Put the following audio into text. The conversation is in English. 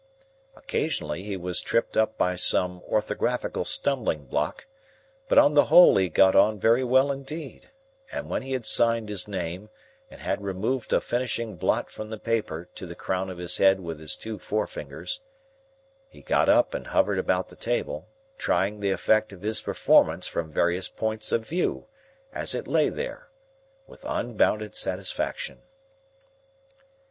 Occasionally, he was tripped up by some orthographical stumbling block; but on the whole he got on very well indeed; and when he had signed his name, and had removed a finishing blot from the paper to the crown of his head with his two forefingers, he got up and hovered about the table, trying the effect of his performance from various points of view, as it lay there, with unbounded satisfaction.